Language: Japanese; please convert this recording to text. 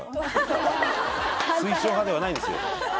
推奨派ではないんですよああ